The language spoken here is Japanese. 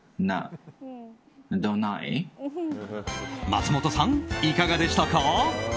松本さん、いかがでしたか？